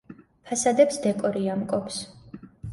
ფასადებს დეკორი ამკობს.